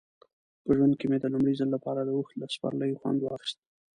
په ژوند کې مې د لومړي ځل لپاره د اوښ له سپرلۍ خوند واخیست.